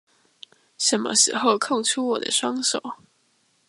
什麼時候空出我的雙手